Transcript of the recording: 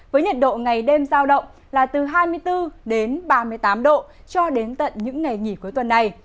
với nhiệt độ ngày đêm giao động là từ hai mươi bốn đến ba mươi tám độ cho đến tận những ngày nghỉ cuối tuần này